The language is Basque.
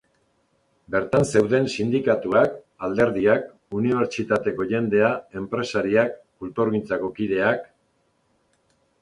Bertan zeuden sindikatuak, alderdiak, unibertsitateko jendea, enpresariak, kulturgintzako kideak...